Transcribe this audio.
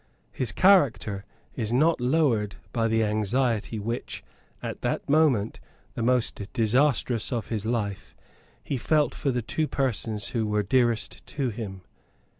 His character is not lowered by the anxiety which, at that moment, the most disastrous of his life, he felt for the two persons who were dearest to him.